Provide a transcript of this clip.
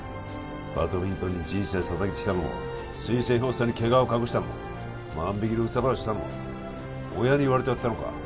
バドミントンに人生捧げてきたのも推薦欲しさにケガを隠したのも万引きで憂さ晴らししたのも親に言われてやったのか？